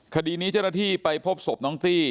คดีนี้เจ้าหน้าที่ไปพบศพน้องตี้